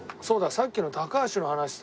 さっきの高橋の話さ